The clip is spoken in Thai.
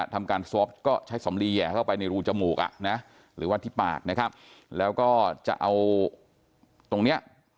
ทำการซบก็ใช้สำลีแห่เข้าไปในรูจมูกอ่ะนะหรือว่าที่ปากนะครับแล้วก็จะเอาตรงเนี้ย